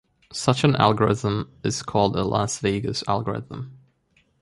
Such an algorithm is called a Las Vegas algorithm.